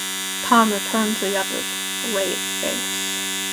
Tom returned to the others with a grave face.